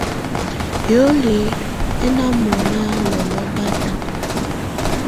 Hioli hɛ́ ná mɔ̀ná lɔ́lɔ̀ báta.